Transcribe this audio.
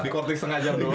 di kortis setengah jam dulu